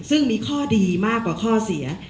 ซึ่งมีข้อดีมากกว่าข้อเสีย